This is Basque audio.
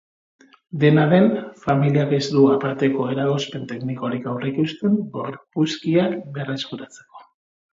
Dena den, familiak ez du aparteko eragozpen teknikorik aurreikusten gorpuzkiak berreskuratzeko.